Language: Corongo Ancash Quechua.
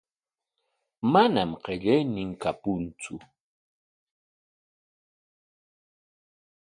Manam qillaynin kapuntsu.